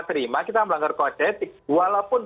terima kita melanggar kode etik walaupun